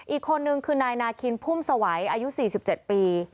อีกคนนึงคือนายนาคินพุ่มสวัยอายุ๔๗ปี